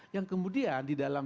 yang kemudian di dalam